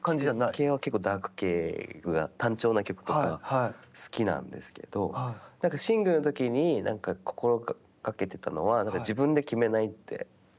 聴くのはダーク系、単調な曲とか、好きなんですけど、なんかシングルのときに心がけていたのは自分で決めないって。